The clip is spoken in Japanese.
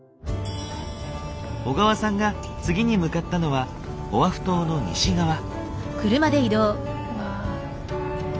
小川さんが次に向かったのはオアフ島の西側。